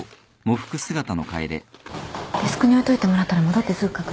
デスクに置いといてもらったら戻ってすぐ確認するよ。